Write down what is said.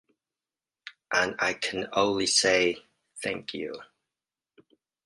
And I can only say: 'Thank you!